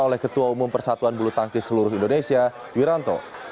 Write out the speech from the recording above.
oleh ketua umum persatuan bulu tangkis seluruh indonesia wiranto